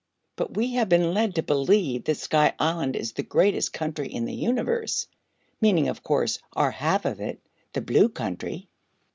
"But we have been led to believe that Sky Island is the greatest country in the universe meaning, of course, our half of it, the Blue Country."